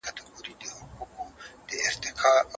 مشرانو به د پولو د امنیت لپاره پريکړي کولي.